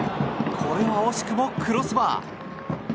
これは惜しくもクロスバー。